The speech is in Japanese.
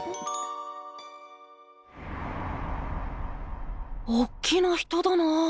心の声おっきな人だなあ。